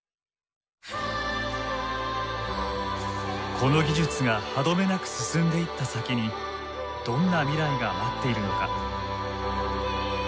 この技術が歯止めなく進んでいった先にどんな未来が待っているのか。